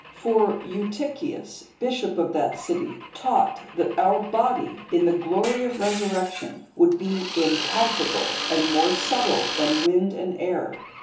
For Eutychius,(149) bishop of that city, taught, that our body, in the glory of resurrection, would be impalpable, and more subtile than wind and air.